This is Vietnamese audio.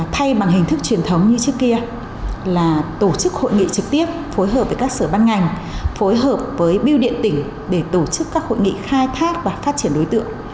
thay bằng hình thức truyền thống như trước kia là tổ chức hội nghị trực tiếp phối hợp với các sở ban ngành phối hợp với biêu điện tỉnh để tổ chức các hội nghị khai thác và phát triển đối tượng